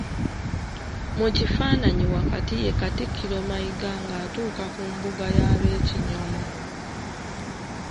Mu kifaananyi wakati ye Katikkiro Mayiga nga atuuka ku mbuga y'ab'Ekinyomo.